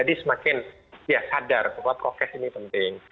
jadi semakin sadar bahwa progress ini penting